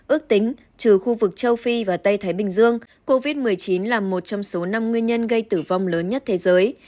ước tính trừ khu vực châu phi và tây thái bình dương covid một mươi chín là một trong số năm nguyên nhân gây tử vong lớn nhất thế giới